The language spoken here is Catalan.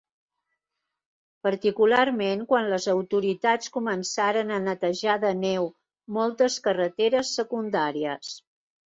Particularment quan les autoritats començaren a netejar de neu moltes carreteres secundàries.